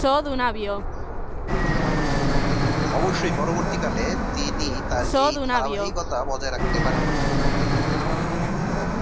অবশ্য পরবর্তীকালে তিনি তার এই ধারাবাহিকতা বজায় রাখতে পারেননি।